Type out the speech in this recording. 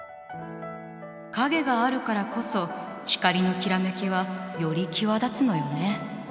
影があるからこそ光のきらめきはより際立つのよね。